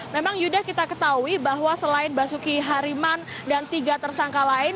memang yuda kita ketahui bahwa selain basuki hariman dan tiga tersangka lain